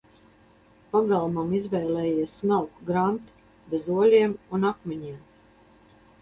Pagalmam izvēlējies smalku granti, bez oļiem un akmeņiem.